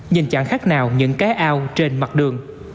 nhìn chẳng khác nào những cái ao trên mặt đường